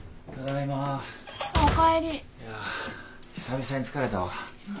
いや久々に疲れたわ。